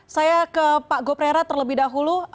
saya ke pak goprera terlebih dahulu